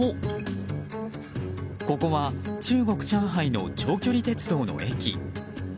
ここは中国・上海の長距離鉄道の駅。